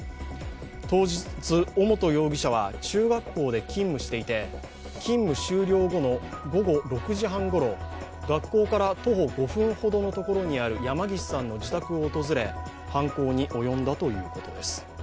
当日、尾本容疑者は中学校で勤務していて勤務終了後の午後６時半ごろ、学校から徒歩５分ほどのところにある山岸さんの自宅を訪れ犯行に及んだということです。